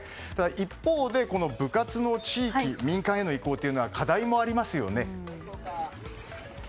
一方で部活の地域、民間への移行は課題もありますよね。